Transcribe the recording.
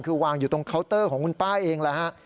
คือวางอยู่ตรงเคาน์เตอร์ของคุณป้าเองแหละฮะ